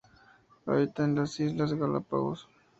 Habita en las Islas Galápagos.